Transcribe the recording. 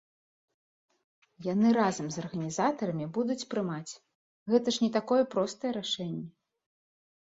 Яны разам з арганізатарамі будуць прымаць, гэта ж не такое простае рашэнне.